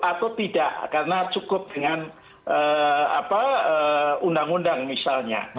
atau tidak karena cukup dengan undang undang misalnya